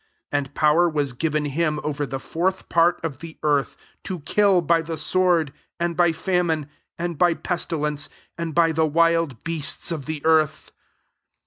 And power was given him over the fourth pait of the earth, to kill by the sword, and by famine, and by pestilence, and by the wild beasts of the earth.